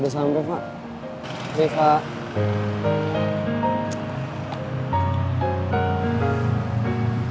gue sampe ketiduran kayak gini kan